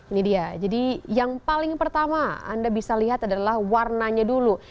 ini dia jadi yang paling pertama anda bisa lihat adalah warnanya dulu